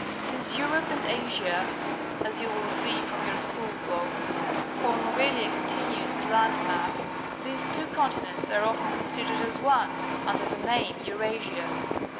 Since Europe and Asia, as j'ou will see from your school globe, form really a continuous land mass, these two continents are often considered as one, under the name Eurasia.